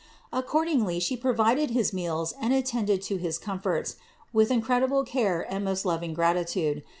Accordingly She provided his meals and attended to his comforts with incredible care and most loving gratitude.